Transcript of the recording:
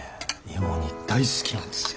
芋煮大好きなんですよ。